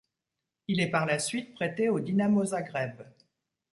Il est par la suite prêté au Dinamo Zagreb.